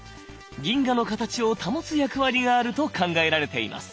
銀河の形を保つ役割があると考えられています。